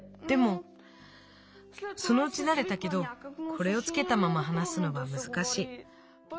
でもそのうちなれたけどこれをつけたままはなすのはむずかしい。